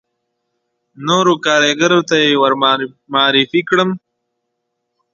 نورو کاریګرو ته یې ور معرفي کړم.